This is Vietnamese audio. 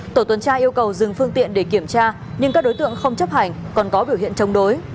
tổ tuần tra yêu cầu dừng phương tiện để kiểm tra nhưng các đối tượng không chấp hành còn có biểu hiện chống đối